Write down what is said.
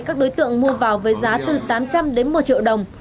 các đối tượng mua vào với giá từ tám trăm linh đến một triệu đồng